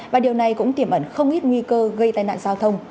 và điều này cũng tiềm ẩn không ít nguy cơ gây tai nạn giao thông